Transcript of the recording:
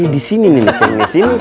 di sini nih ceng